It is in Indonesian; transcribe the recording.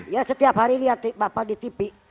ya setiap hari lihat bapak di tv